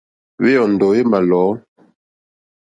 Wé yɔ́ndɔ̀ wé mà lɔ̌.